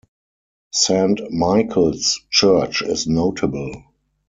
Saint Michael's Church is notable.